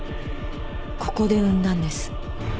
ここで産んだんです。